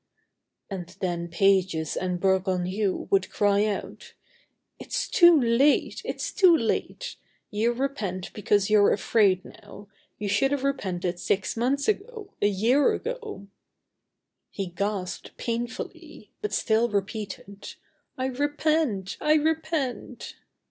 And then Pages and Bergounhoux would cry out: "It's too late! It's too late! You repent because you're afraid now; you should have repented six months ago, a year ago." He gasped painfully, but still repeated: "I repent! I repent!"